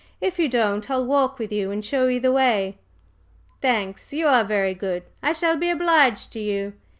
"If you don't, I'll walk with you and show you the way." "Thanks you are very good. I shall be obliged to you."